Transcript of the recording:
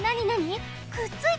くっついた！？